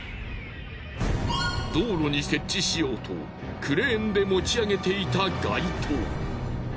道路に設置しようとクレーンで持ち上げていた街灯。